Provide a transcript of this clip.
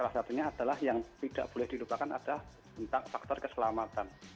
salah satunya adalah yang tidak boleh dilupakan adalah tentang faktor keselamatan